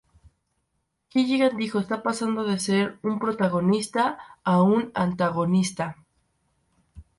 Gilligan dijo: "Está pasando de ser un protagonista a un antagonista.